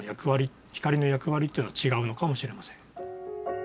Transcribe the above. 光の役割っていうのは違うのかもしれません。